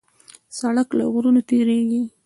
سړک له غرونو تېرېږي.